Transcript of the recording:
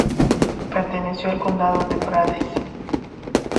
Perteneció al condado de Prades.